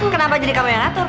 kenapa jadi kamu yang ngatur